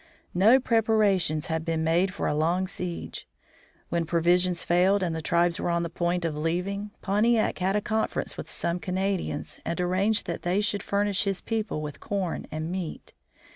No preparations had been made for a long siege. When provisions failed and the tribes were on the point of leaving, Pontiac had a conference with some Canadians and arranged that they should furnish his people with corn and meat.